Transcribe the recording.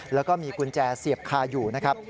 แล้วก็มีกุญแจเสียบคาอยู่นะครับ